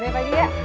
bebek pak haji ya